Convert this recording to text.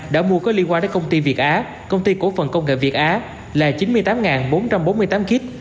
đã mua có liên quan đến công ty việt á công ty cổ phần công nghệ việt á là chín mươi tám bốn trăm bốn mươi tám kíp